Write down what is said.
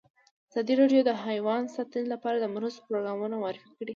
ازادي راډیو د حیوان ساتنه لپاره د مرستو پروګرامونه معرفي کړي.